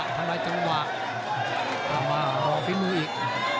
ทำอะไรจังหวะเอาฟินูอีก